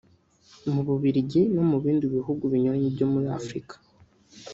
mu Bubiligi no mu bindi bihugu binyuranye byo muri Afrika